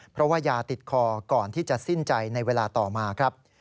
เพราะว่ายาติดคอก่อนที่จะสิ้นใจในเวลาต่อมาครับ